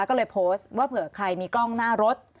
ก็เลยโพสต์ว่าเผื่อใครมีกล้องหน้ารถ